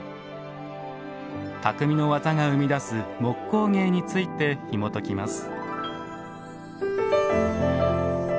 匠の技が生み出す木工芸についてひもときます。